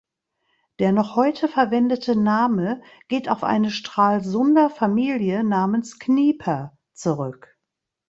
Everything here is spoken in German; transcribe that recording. Der noch heute verwendete Name geht auf eine Stralsunder Familie namens Knieper zurück.